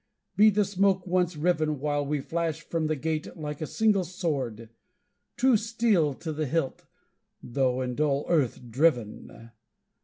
Be the smoke once riven While we flash from the gate like a single sword, True steel to the hilt, though in dull earth driven!